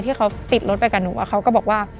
ที่เขาติดรถไปกับหนูเขาก็บอกว่า